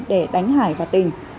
để đánh hải và tình